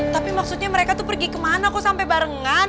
tapi maksudnya mereka tuh pergi kemana kok sampai barengan